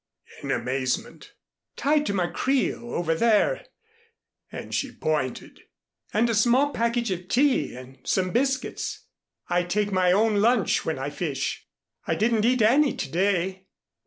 in amazement. "Tied to my creel over there," and she pointed, "and a small package of tea and some biscuits. I take my own lunch when I fish. I didn't eat any to day."